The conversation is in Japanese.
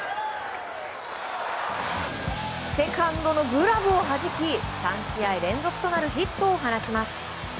セカンドのグラブをはじき３試合連続となるヒットを放ちます。